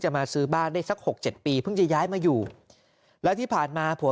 จะมาซื้อบ้านได้สัก๖๗ปีเพื่อกลายมาอยู่และที่ผ่านมาผัว